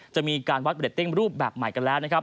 จะมีการวัดเรตติ้งรูปแบบใหม่กันแล้วนะครับ